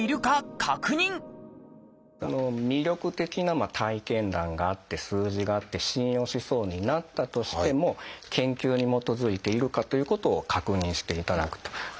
魅力的な体験談があって数字があって信用しそうになったとしても研究に基づいているかということを確認していただくと。